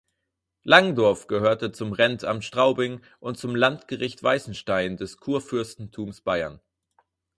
Langdorf gehörte zum Rentamt Straubing und zum Landgericht Weißenstein des Kurfürstentums Bayern.